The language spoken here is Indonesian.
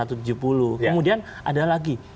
kemudian ada lagi